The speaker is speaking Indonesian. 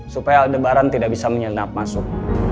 supaya aldebaran tidak bisa menyelena masuk